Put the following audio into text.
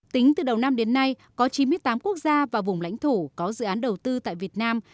tính từ đầu năm đến nay có chín mươi tám quốc gia và vùng lãnh thổ có dự án đầu tư tại việt nam